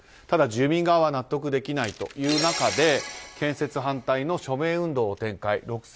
ただ、住民側は納得できないという中で建設反対の署名運動を展開。